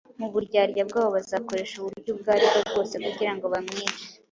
mu buryarya bwabo bazakoresha uburyo ubwo ari bwo bwose kugira ngo bamwice.